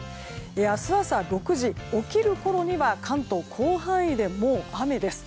明日朝６時起きるころには関東、広範囲でもう雨です。